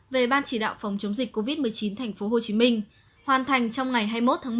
về ban chỉ đạo phòng chống dịch covid một mươi chín tp hồ chí minh hoàn thành trong ngày hai mươi một tháng một mươi